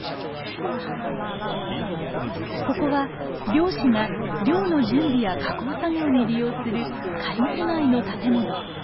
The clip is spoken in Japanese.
ここは漁師が漁の準備や加工作業に利用する仮住まいの建物。